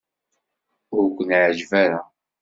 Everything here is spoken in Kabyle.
Ur ken-iɛejjeb ara.